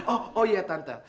oh oh iya tante